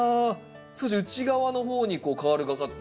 少し内側の方にこうカールがかって。